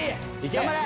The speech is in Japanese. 頑張れ！